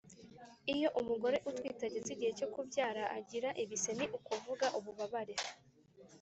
Iyo umugore utwite ageze igihe cyo kubyara agira ibise ni ukuvuga ububabare